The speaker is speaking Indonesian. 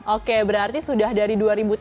oke berarti sudah dari dua ribu tujuh belas